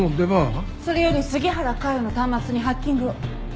それより杉原佳代の端末にハッキングを。